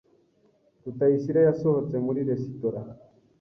Rutayisire yasohotse muri resitora